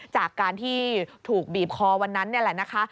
จากการที่ถูกบีบคอวันนั้นนี่แหละนะคะ